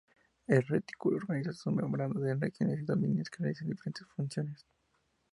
El retículo organiza sus membranas en regiones o dominios que realizan diferentes funciones.